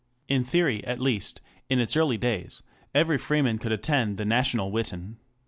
In theory at least, in its early days, every freeman could attend the national Witan.